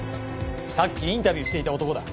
さっきインタビューしていた男だ。